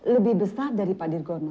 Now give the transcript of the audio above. lebih besar dari pak dirgono